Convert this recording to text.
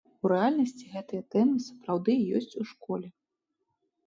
У рэальнасці гэтыя тэмы сапраўды ёсць у школе.